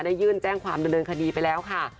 ยื่นแจ้งความดำเนินคดีไปแล้วค่ะ